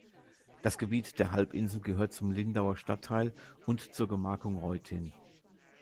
Das Gebiet der Halbinsel gehört zum Lindauer Stadtteil und zur Gemarkung Reutin.